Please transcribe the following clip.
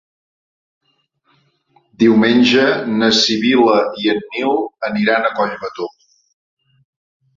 Diumenge na Sibil·la i en Nil aniran a Collbató.